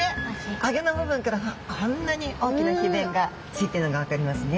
あギョの部分からはこんなに大きな皮弁が付いてるのが分かりますね。